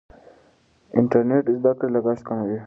انټرنیټ د زده کړې لګښت کموي.